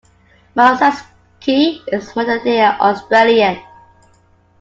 Malceski is a Macedonian Australian.